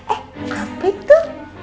eh apa itu